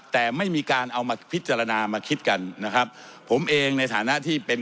แต่ไม่มีการเอามาพิจารณามาคิดกันนะครับผมเองในฐานะที่เป็น